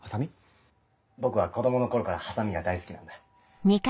僕は子供の頃からハサミが大好きなんだ。